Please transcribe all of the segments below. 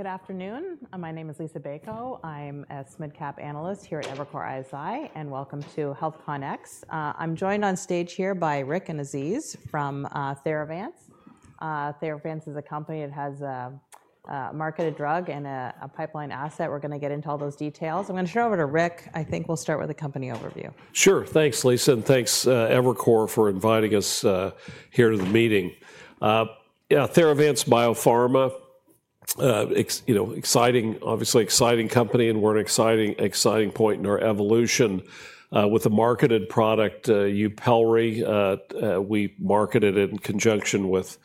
Good afternoon. My name is Liisa Bayko. I'm a SMID Cap analyst here at Evercore ISI, and welcome to HealthCONx. I'm joined on stage here by Rick and Aziz from Theravance. Theravance is a company that has a marketed drug and a pipeline asset. We're going to get into all those details. I'm going to turn it over to Rick. I think we'll start with a company overview. Sure. Thanks, Liisa, and thanks Evercore for inviting us here to the meeting. Theravance Biopharma, you know, exciting, obviously exciting company, and we're at an exciIing point in our evolution with a marketed product, YUPELRI. We market it in conjunction with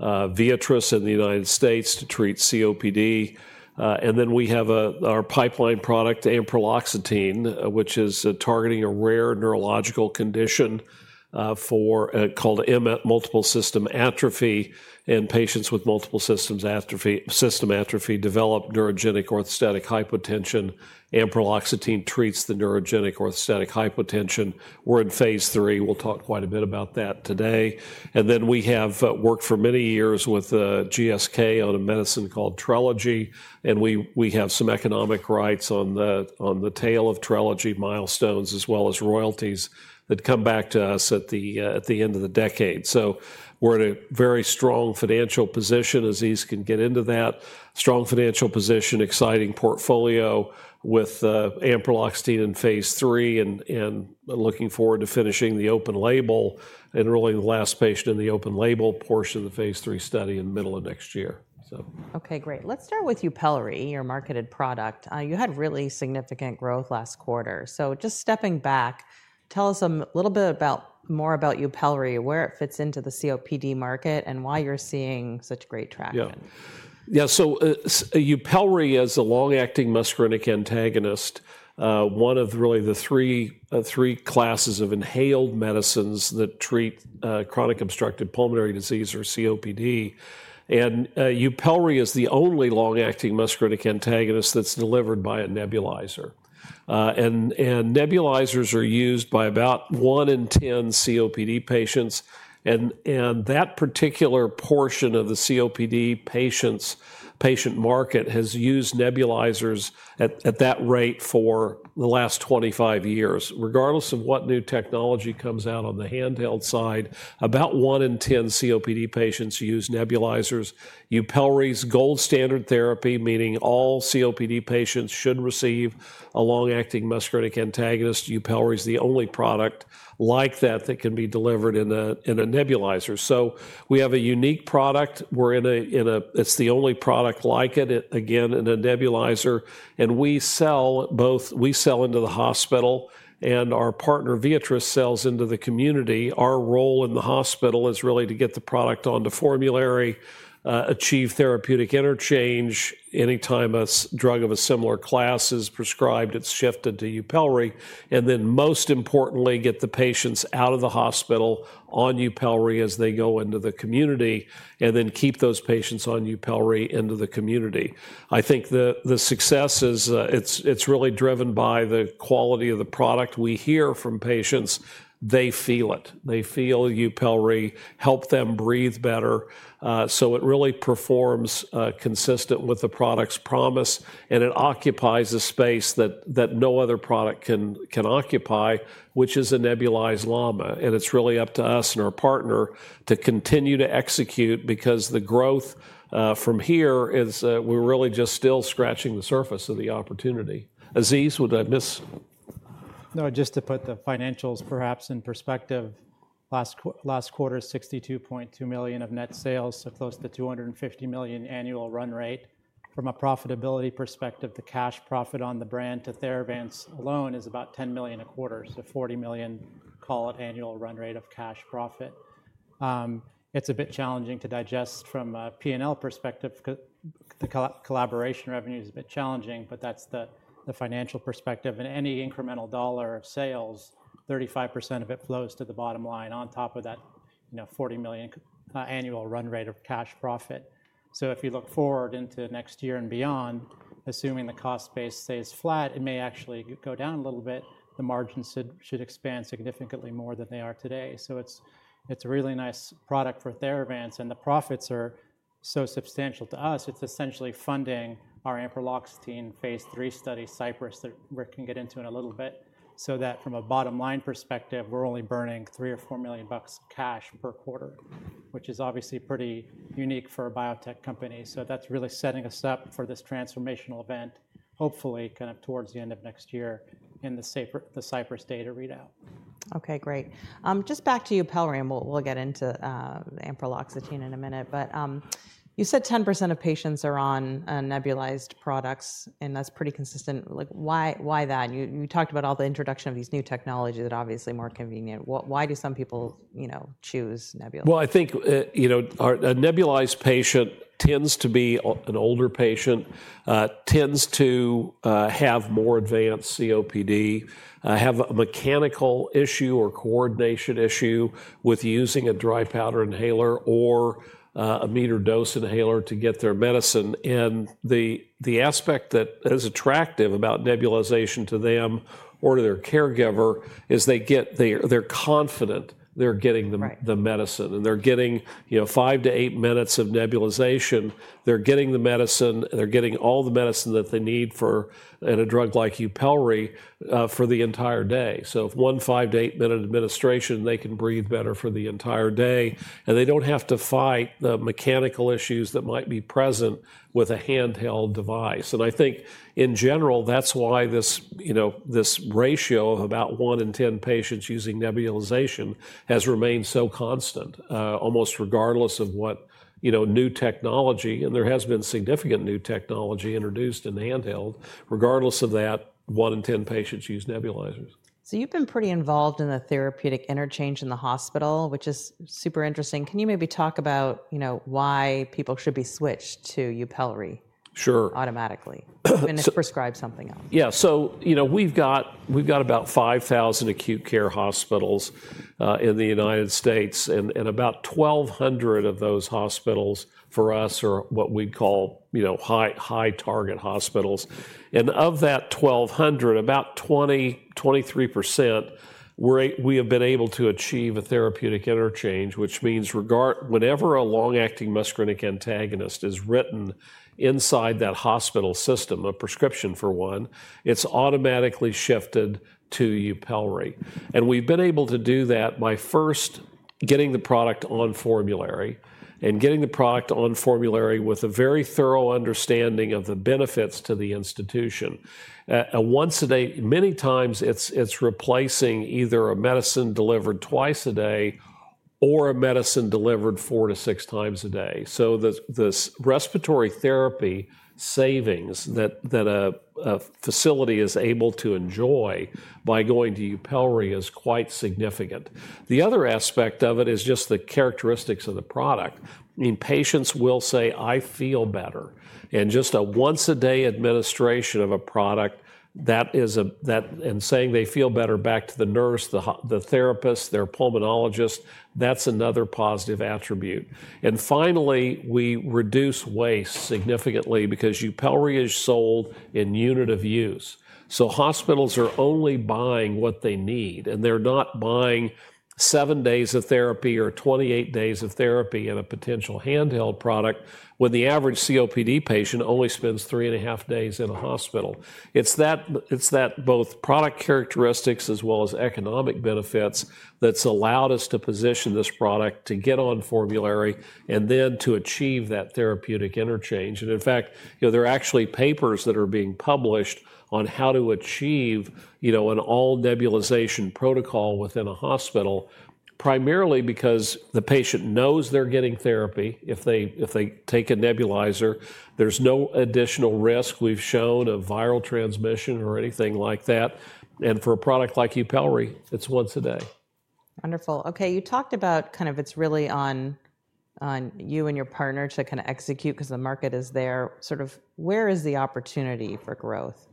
Viatris in the United States to treat COPD. And then we have our pipeline product, ampreloxetine, which is targeting a rare neurological condition called multiple system atrophy. And patients with multiple system atrophy develop neurogenic orthostatic hypotension. Ampreloxetine treats the neurogenic orthostatic hypotension. We're in phase three. We'll talk quite a bit about that today. And then we have worked for many years with GSK on a medicine called Trelegy. And we have some economic rights on the tail of Trelegy milestones, as well as royalties that come back to us at the end of the decade. So we're in a very strong financial position. Aziz can get into that strong financial position, exciting portfolio with ampreloxetine in phase 3, and looking forward to finishing the open label and enrolling the last patient in the open label portion of the phase 3 study in the middle of next year. Okay, great. Let's start with YUPELRI, your marketed product. You had really significant growth last quarter. So just stepping back, tell us a little bit more about YUPELRI, where it fits into the COPD market, and why you're seeing such great traction. Yeah, so YUPELRI is a long-acting muscarinic antagonist, one of really the three classes of inhaled medicines that treat chronic obstructive pulmonary disease, or COPD. And YUPELRI is the only long-acting muscarinic antagonist that's delivered by a nebulizer. And nebulizers are used by about one in ten COPD patients. And that particular portion of the COPD patients' patient market has used nebulizers at that rate for the last 25 years. Regardless of what new technology comes out on the handheld side, about one in ten COPD patients use nebulizers. YUPELRI's gold standard therapy, meaning all COPD patients should receive a long-acting muscarinic antagonist. YUPELRI is the only product like that that can be delivered in a nebulizer. So we have a unique product. It's the only product like it, again, in a nebulizer. And we sell both. We sell into the hospital, and our partner Viatris sells into the community. Our role in the hospital is really to get the product onto formulary, achieve therapeutic interchange. Anytime a drug of a similar class is prescribed, it's shifted to YUPELRI. And then most importantly, get the patients out of the hospital on YUPELRI as they go into the community, and then keep those patients on YUPELRI into the community. I think the success is. It's really driven by the quality of the product. We hear from patients. They feel it. They feel YUPELRI helps them breathe better. So it really performs consistent with the product's promise. And it occupies a space that no other product can occupy, which is a nebulized LAMA. It's really up to us and our partner to continue to execute, because the growth from here is, we're really just still scratching the surface of the opportunity. Aziz, would I miss? No, just to put the financials perhaps in perspective. Last quarter, $62.2 million of net sales, so close to $250 million annual run rate. From a profitability perspective, the cash profit on the brand to Theravance alone is about $10 million a quarter, so $40 million, call it annual run rate of cash profit. It's a bit challenging to digest from a P&L perspective. The collaboration revenue is a bit challenging, but that's the financial perspective. And any incremental dollar of sales, 35% of it flows to the bottom line on top of that $40 million annual run rate of cash profit. So if you look forward into next year and beyond, assuming the cost base stays flat, it may actually go down a little bit. The margins should expand significantly more than they are today. So it's a really nice product for Theravance. The profits are so substantial to us, it's essentially funding our ampreloxetine phase 3 study, Cypress, that Rick can get into in a little bit. So that from a bottom line perspective, we're only burning $3 million-$4 million cash per quarter, which is obviously pretty unique for a biotech company. So that's really setting us up for this transformational event, hopefully kind of towards the end of next year in the Cypress data readout. Okay, great. Just back to YUPELRI, and we'll get into ampreloxetine in a minute. But you said 10% of patients are on nebulized products, and that's pretty consistent. Why that? You talked about all the introduction of these new technologies that are obviously more convenient. Why do some people choose nebulized? I think, you know, a nebulized patient tends to be an older patient, tends to have more advanced COPD, have a mechanical issue or coordination issue with using a dry powder inhaler or a metered dose inhaler to get their medicine. And the aspect that is attractive about nebulization to them or to their caregiver is they get. They're confident they're getting the medicine. And they're getting five to eight minutes of nebulization. They're getting the medicine. They're getting all the medicine that they need for a drug like YUPELRI for the entire day. So if one five to eight minute administration, they can breathe better for the entire day. And they don't have to fight the mechanical issues that might be present with a handheld device. I think in general, that's why this ratio of about one in ten patients using nebulization has remained so constant, almost regardless of what new technology, and there has been significant new technology introduced in handheld, regardless of that, one in ten patients use nebulizers. You've been pretty involved in the therapeutic interchange in the hospital, which is super interesting. Can you maybe talk about why people should be switched to YUPELRI automatically when they prescribe something else? Yeah, so you know we've got about 5,000 acute care hospitals in the United States, and about 1,200 of those hospitals for us are what we call high target hospitals. And of that 1,200, about 20%-23%, we have been able to achieve a therapeutic interchange, which means whenever a long-acting muscarinic antagonist is written inside that hospital system, a prescription for one, it's automatically shifted to YUPELRI. And we've been able to do that by first getting the product on formulary and getting the product on formulary with a very thorough understanding of the benefits to the institution. Many times it's replacing either a medicine delivered twice a day or a medicine delivered four to six times a day. So the respiratory therapy savings that a facility is able to enjoy by going to YUPELRI is quite significant. The other aspect of it is just the characteristics of the product. I mean, patients will say, "I feel better," and just a once a day administration of a product that is, and saying they feel better back to the nurse, the therapist, their pulmonologist, that's another positive attribute, and finally, we reduce waste significantly because YUPELRI is sold in unit of use. So hospitals are only buying what they need, and they're not buying seven days of therapy or 28 days of therapy in a potential handheld product when the average COPD patient only spends three and a half days in a hospital. It's that both product characteristics as well as economic benefits that's allowed us to position this product to get on formulary and then to achieve that therapeutic interchange. And in fact, there are actually papers that are being published on how to achieve an all nebulization protocol within a hospital, primarily because the patient knows they're getting therapy. If they take a nebulizer, there's no additional risk. We've shown a viral transmission or anything like that. And for a product like YUPELRI, it's once a day. Wonderful. Okay, you talked about kind of it's really on you and your partner to kind of execute because the market is there. Sort of where is the opportunity for growth?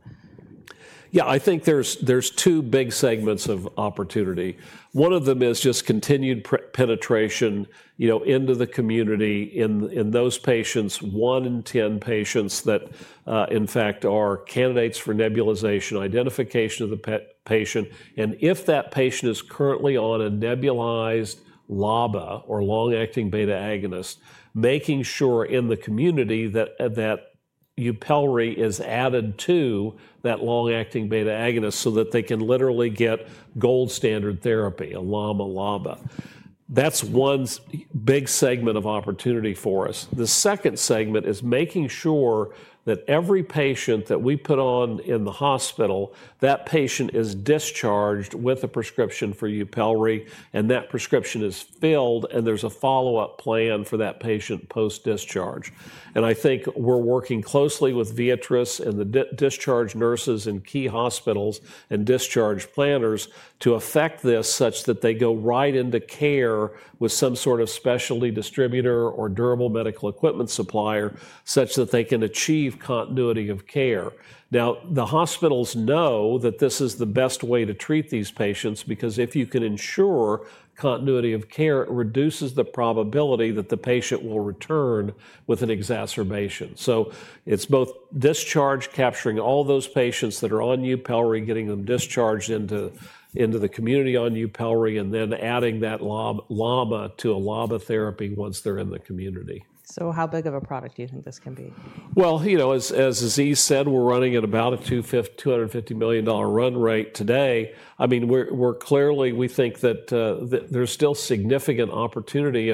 Yeah, I think there's two big segments of opportunity. One of them is just continued penetration into the community in those patients, one in ten patients that in fact are candidates for nebulization, identification of the patient. And if that patient is currently on a nebulized LABA or long-acting beta agonist, making sure in the community that YUPELRI is added to that long-acting beta agonist so that they can literally get gold standard therapy, a LAMA LABA. That's one big segment of opportunity for us. The second segment is making sure that every patient that we put on in the hospital, that patient is discharged with a prescription for YUPELRI, and that prescription is filled, and there's a follow-up plan for that patient post-discharge. And I think we're working closely with Viatris and the discharge nurses in key hospitals and discharge planners to affect this such that they go right into care with some sort of specialty distributor or durable medical equipment supplier, such that they can achieve continuity of care. Now, the hospitals know that this is the best way to treat these patients, because if you can ensure continuity of care, it reduces the probability that the patient will return with an exacerbation. So it's both discharge, capturing all those patients that are on YUPELRI, getting them discharged into the community on YUPELRI, and then adding that LAMA to a LABA therapy once they're in the community. How big of a product do you think this can be? You know, as Aziz said, we're running at about a $250 million run rate today. I mean, we're clearly, we think that there's still significant opportunity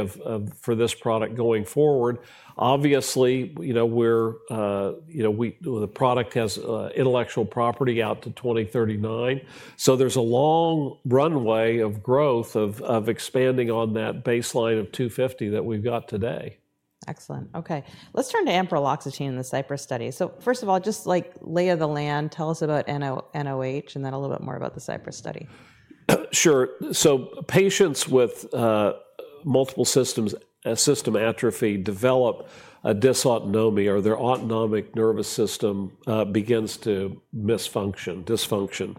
for this product going forward. Obviously, you know, the product has intellectual property out to 2039. There's a long runway of growth of expanding on that baseline of 250 that we've got today. Excellent. Okay, let's turn to ampraloxetine in the Cypress study. So first of all, just like lay of the land, tell us about NOH and then a little bit more about the Cypress study. Sure. Patients with multiple system atrophy develop a dysautonomia, or their autonomic nervous system begins to malfunction or dysfunction.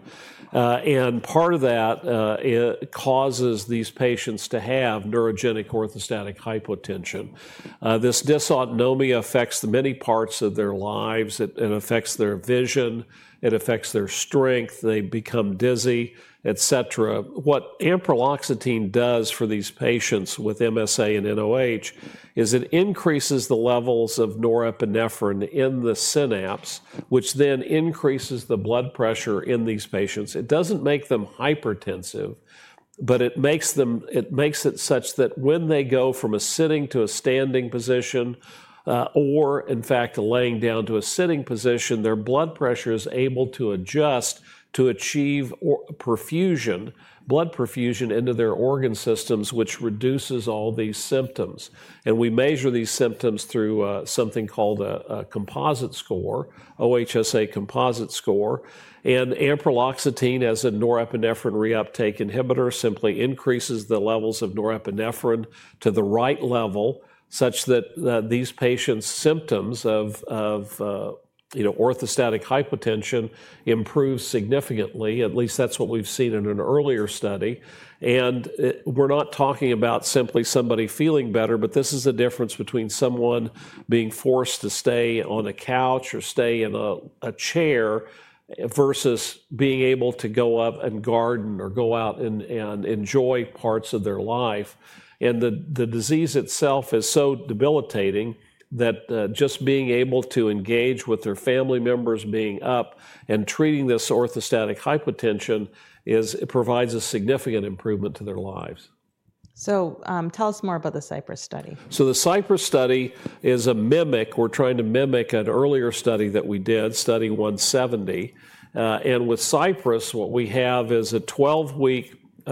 Part of that causes these patients to have neurogenic orthostatic hypotension. This dysautonomia affects many parts of their lives. It affects their vision. It affects their strength. They become dizzy, et cetera. What ampreloxetine does for these patients with MSA and NOH is it increases the levels of norepinephrine in the synapse, which then increases the blood pressure in these patients. It doesn't make them hypertensive, but it makes it such that when they go from a sitting to a standing position, or in fact lying down to a sitting position, their blood pressure is able to adjust to achieve blood perfusion into their organ systems, which reduces all these symptoms. We measure these symptoms through something called a composite score, OHSA composite score. Ampraloxetine as a norepinephrine reuptake inhibitor simply increases the levels of norepinephrine to the right level, such that these patients' symptoms of orthostatic hypotension improve significantly. At least that's what we've seen in an earlier study. We're not talking about simply somebody feeling better, but this is a difference between someone being forced to stay on a couch or stay in a chair versus being able to go up and garden or go out and enjoy parts of their life.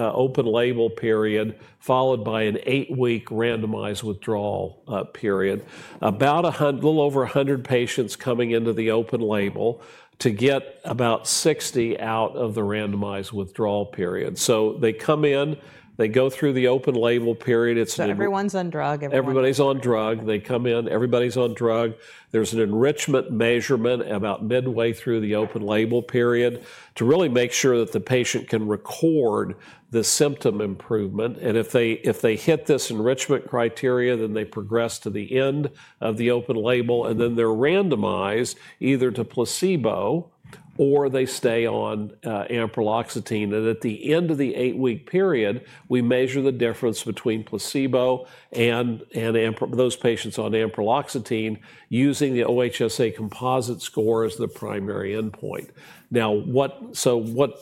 open label period followed by an eight-week randomized withdrawal period. About a little over 100 patients coming into the open label to get about 60 out of the randomized withdrawal period. So, they come in, they go through the open label period. So, everyone's on drug. Everybody's on drug. They come in, everybody's on drug. There's an enrichment measurement about midway through the open label period to really make sure that the patient can record the symptom improvement, and if they hit this enrichment criteria, then they progress to the end of the open label, and then they're randomized either to placebo or they stay on ampreloxetine, and at the end of the eight-week period, we measure the difference between placebo and those patients on ampreloxetine using the OHSA composite score as the primary endpoint. Now, so what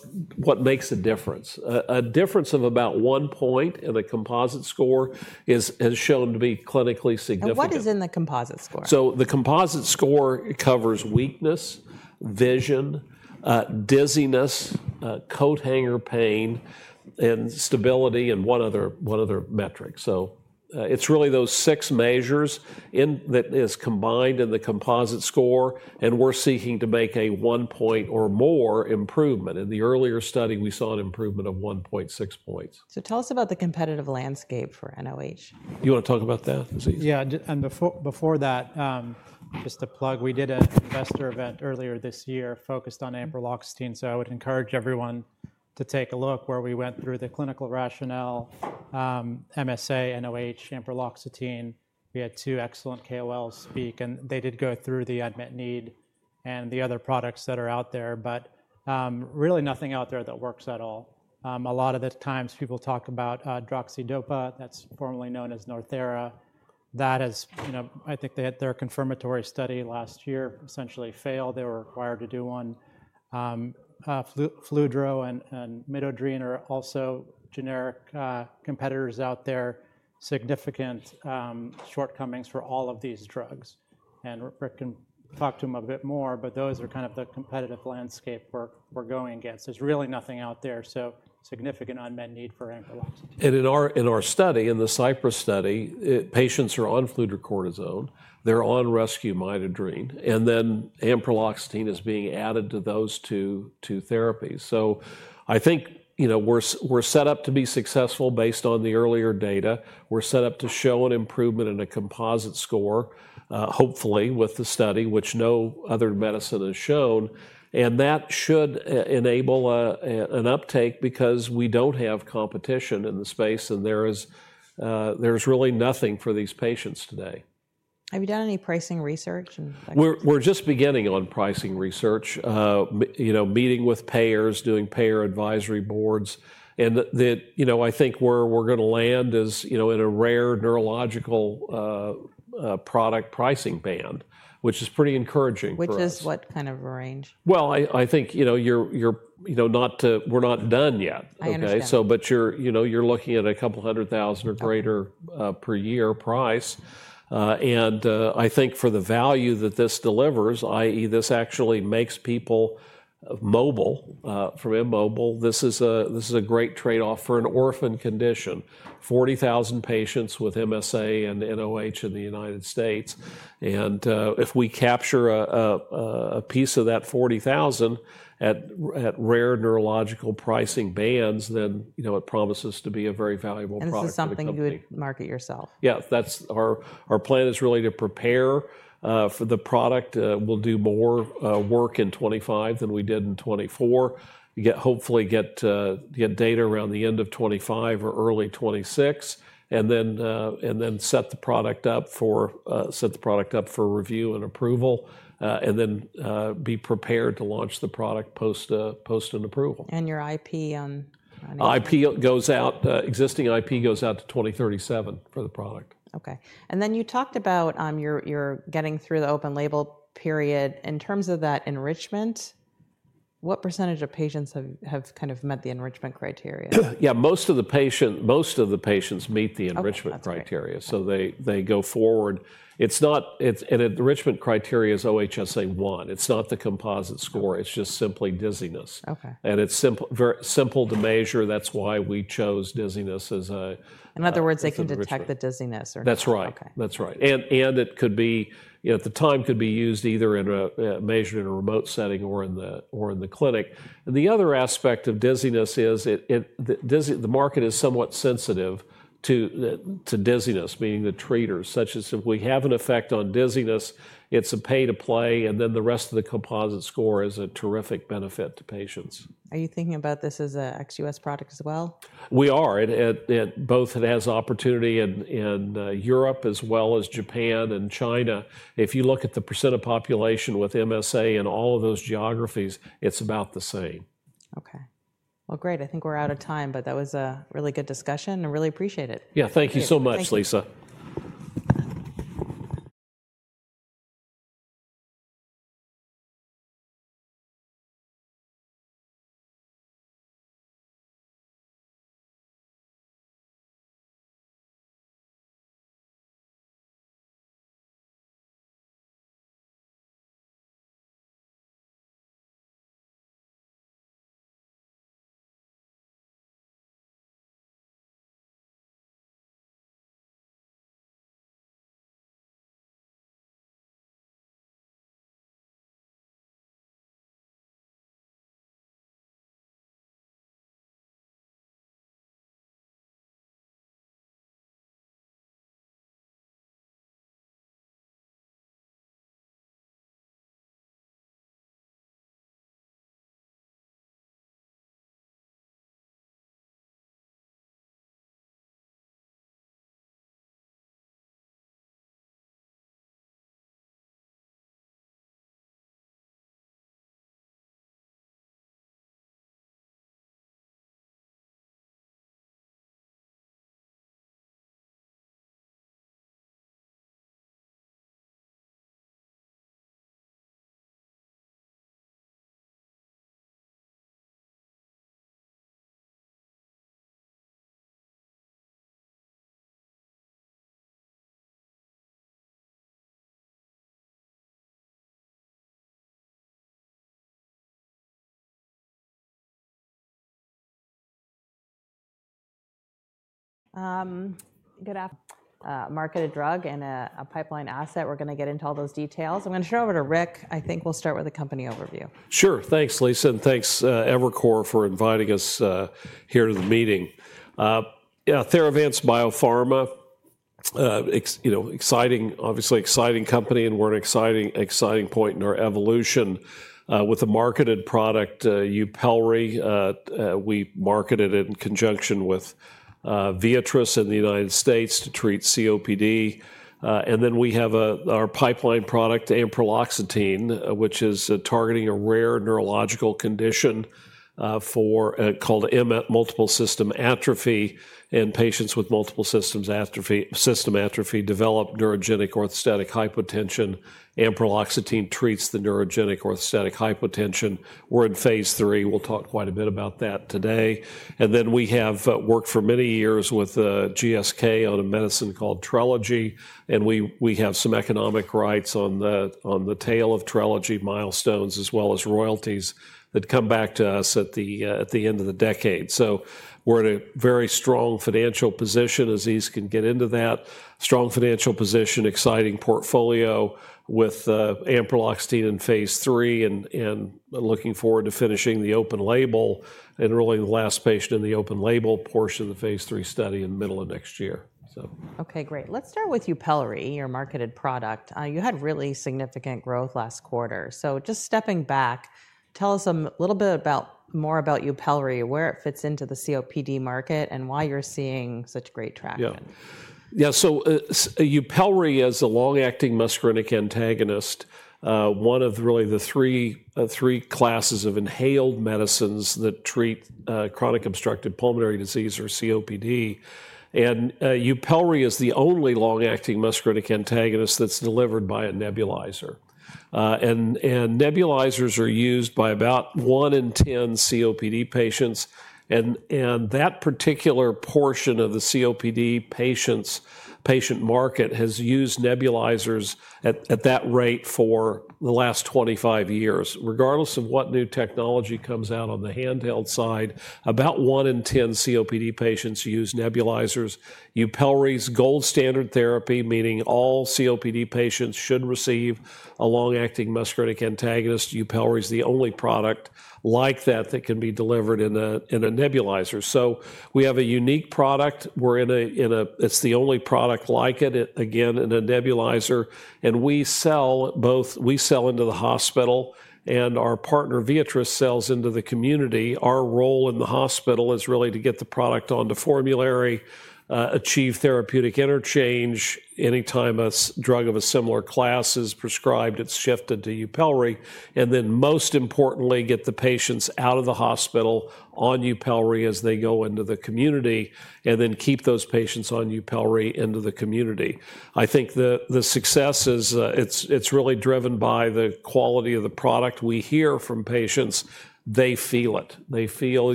makes a difference? A difference of about one point in a composite score has shown to be clinically significant. What is in the composite score? So, the composite score covers weakness, vision, dizziness, coat hanger pain, and stability and one other metric. So, it's really those six measures that is combined in the composite score, and we're seeking to make a one point or more improvement. In the earlier study, we saw an improvement of 1.6 points. So tell us about the competitive landscape for NOH? You want to talk about that, Aziz? Yeah. And before that, just a plug, we did an investor event earlier this year focused on ampraloxetine. So I would encourage everyone to take a look where we went through the clinical rationale, MSA, NOH, ampraloxetine. We had two excellent KOLs speak, and they did go through the unmet need and the other products that are out there, but really nothing out there that works at all. A lot of the times people talk about droxidopa, that's formerly known as Northera. That has, I think they had their confirmatory study last year essentially failed. They were required to do one. fludro and midodrine are also generic competitors out there, significant shortcomings for all of these drugs. And Rick can talk to them a bit more, but those are kind of the competitive landscape we're going against. There's really nothing out there. So significant unmet need for ampraloxetine. In our study, in the Cypress study, patients are on fludrocortisone. They're on rescue midodrine. Then ampreloxetine is being added to those two therapies. I think we're set up to be successful based on the earlier data. We're set up to show an improvement in a composite score, hopefully with the study, which no other medicine has shown. That should enable an uptake because we don't have competition in the space, and there's really nothing for these patients today. Have you done any pricing research? We're just beginning on pricing research, meeting with payers, doing payer advisory boards, and I think we're going to land in a rare neurological product pricing band, which is pretty encouraging for us. Which is what kind of range? I think we're not done yet. I understand. But you're looking at $200,000 or greater per year price. And I think for the value that this delivers, i.e., this actually makes people mobile from immobile. This is a great trade-off for an orphan condition, 40,000 patients with MSA and NOH in the United States. And if we capture a piece of that 40,000 at rare neurological pricing bands, then it promises to be a very valuable product for the community. This is something you would market yourself. Yeah. Our plan is really to prepare for the product. We'll do more work in 2025 than we did in 2024. Hopefully get data around the end of 2025 or early 2026 and then set the product up for review and approval, and then be prepared to launch the product post an approval.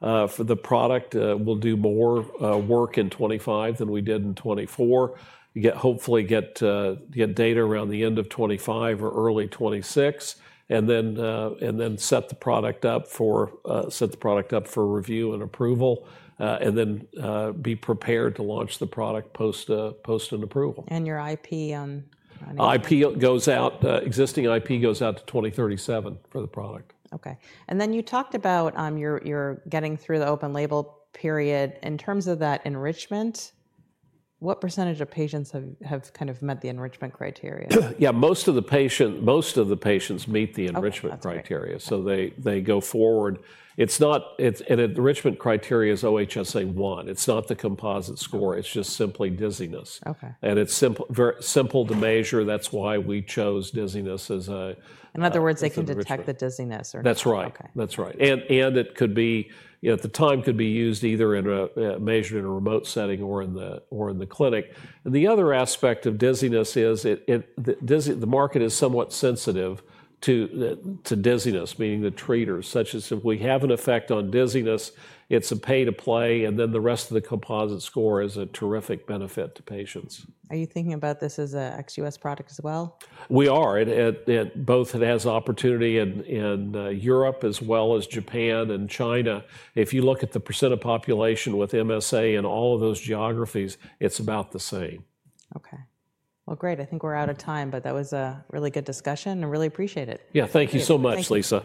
Your IP on. IP goes out, existing IP goes out to 2037 for the product. Okay. And then you talked about you're getting through the open label period. In terms of that enrichment, what percentage of patients have kind of met the enrichment criteria? Yeah, most of the patients meet the enrichment criteria. So they go forward and enrichment criteria is OHSA 1. It's not the composite score. It's just simply dizziness. That's why we chose dizziness as a. In other words, they can detect the dizziness. That's right. That's right. And it could be, at the time, could be used either measured in a remote setting or in the clinic. And the other aspect of dizziness is the market is somewhat sensitive to dizziness, meaning the treaters, such as if we have an effect on dizziness, it's a pay-to-play, and then the rest of the composite score is a terrific benefit to patients. Are you thinking about this as an ex-US product as well? We are both. It has opportunity in Europe as well as Japan and China. If you look at the percent of population with MSA in all of those geographies, it's about the same. Okay. Well, great. I think we're out of time, but that was a really good discussion and really appreciate it. Yeah, thank you so much, Liisa.